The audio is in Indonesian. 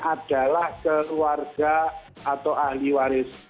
adalah keluarga atau ahli waris